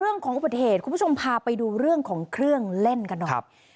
เรื่องของอุปเทศคุณผู้ชมพาไปดูเรื่องของเครื่องเล่นกันนะครับ